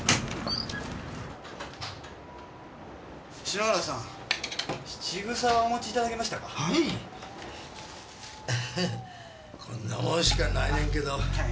篠原さん質草はお持ち頂けましたか？こんなもんしかないねんけど。